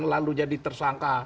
lalu jadi tersangka